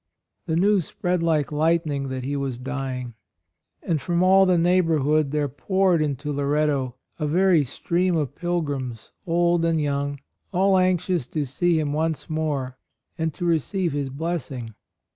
The news spread like light ning that he was dying; and from all the neighborhood there poured into Loretto a very stream of pilgrims, old and young, all anxious to see him once more and to receive his blessing.